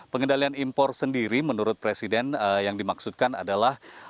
pengendalian impor sendiri menurut presiden yang dimaksudkan adalah